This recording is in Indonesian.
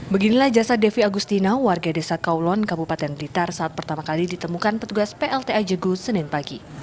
beginilah jasa devi agustina warga desa kaulon kabupaten blitar saat pertama kali ditemukan petugas plta jegu senin pagi